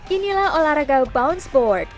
inilah olahraga bounce board